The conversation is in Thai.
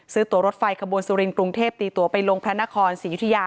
ซื้อตัวรถไฟขบวนสุรินทร์กรุงเทพตีตัวไปลงพระนครศรียุธยา